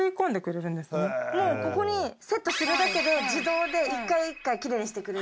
もうここにセットするだけで自動で１回１回きれいにしてくれる。